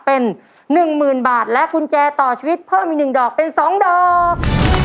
เป็นหนึ่งหมื่นบาทและกุญแจต่อชีวิตเพิ่มอีกหนึ่งดอกเป็นสองดอก